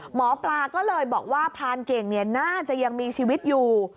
หมอปลาก็เลยบอกว่าพรานเก่งน่าจะยังมีชีวิตอยู่